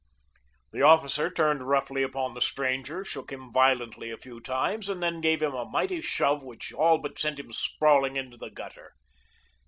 The officer turned roughly upon the stranger, shook him viciously a few times, and then gave him a mighty shove which all but sent him sprawling into the gutter.